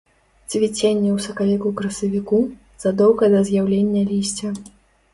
Цвіценне ў сакавіку-красавіку, задоўга да з'яўлення лісця.